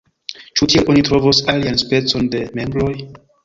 Ĉu tiel oni trovos alian specon de membroj?